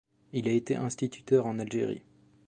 Il a été instituteur en Algérie.